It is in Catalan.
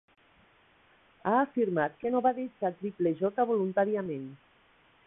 Ha afirmat que no va deixar Triple J. voluntàriament.